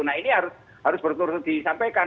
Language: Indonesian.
nah ini harus disampaikan